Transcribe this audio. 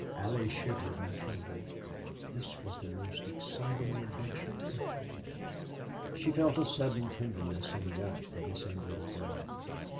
Allie shivered and trembled. This was the most exciting adventure of all. She felt a sudden tenderness and warmth for this Indian girl.